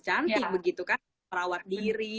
cantik begitu kan merawat diri